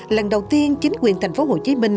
lần đầu tiên chính quyền thành phố hồ chí minh